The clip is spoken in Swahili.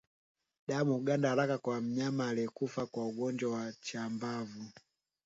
Damu huganda haraka kwa mnyama aliyekufa kwa ugonjwa wa chambavu